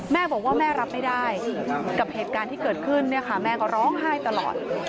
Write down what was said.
แม่บอกว่าแม่รับไม่ได้กับเหตุการณ์ที่เกิดขึ้นเนี่ยค่ะแม่ก็ร้องไห้ตลอด